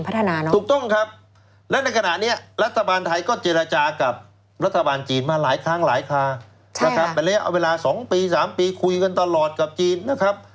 ข้างหลายค่าใช่ค่ะแบบนี้เอาเวลาสองปีสามปีคุยกันตลอดกับจีนนะครับ